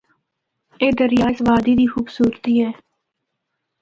اے دریا اس وادی دی خوبصورتی اے۔